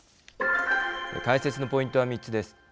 解説のポイントは３つです。